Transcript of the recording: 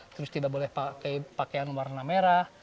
terus tidak boleh pakai pakaian warna merah